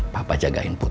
papa jagain putri